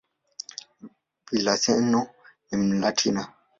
Villaseñor ni "Mlatina".